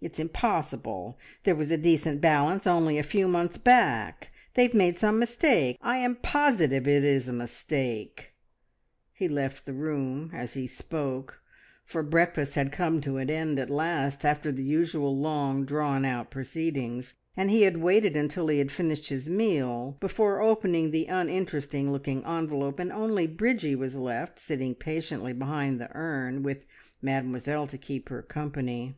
It's impossible, there was a decent balance only a few months back! They have made some mistake. I am positive it is a mistake." He left the room as he spoke, for breakfast had come to an end at last, after the usual long drawn out proceedings, and he had waited until he had finished his meal before opening the uninteresting looking envelope, and only Bridgie was left, sitting patiently behind the urn, with Mademoiselle to keep her company.